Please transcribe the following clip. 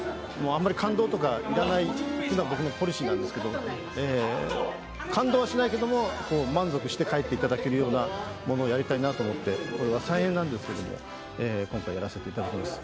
あんまり感動とか要らないのが僕のポリシーなんですけど感動はしないけども満足して帰っていただけるようなものをやりたいなと思って再演なんですけど、今回やらせてもらいます。